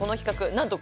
なんと